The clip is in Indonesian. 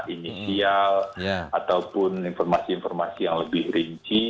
inisial ataupun informasi informasi yang lebih rinci